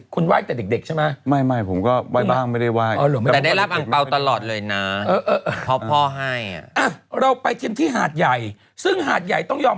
คุณไหว้แต่เด็กใช่ไหม